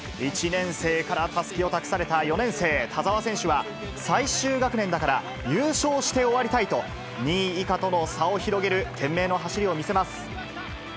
１年生からたすきを託された４年生、田澤選手は、最終学年だから優勝して終わりたいと、２位以下との差を広げる懸命の走りを見せます。